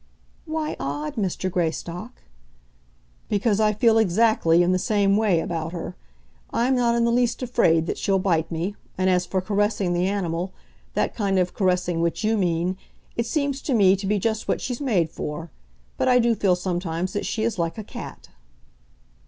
"Why odd, Mr. Greystock?" "Because I feel exactly in the same way about her. I am not in the least afraid that she'll bite me; and as for caressing the animal, that kind of caressing which you mean, it seems to me to be just what she's made for. But, I do feel sometimes, that she is like a cat."